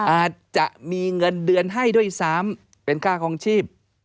อาจจะมีเงินเดือนให้ด้วยซ้ำเป็นค่าคลองชีพ